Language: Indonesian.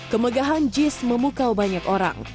kemegahan jis memukau banyak orang